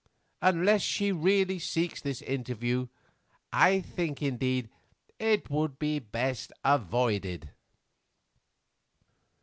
Unless she really seeks this interview, I think, indeed, it would be best avoided."